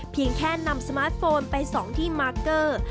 เพียงแค่นำสมาร์ทโฟนไปส่องที่มาร์เกอร์